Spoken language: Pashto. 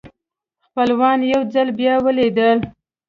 خپلوان یو ځل بیا ولیدل.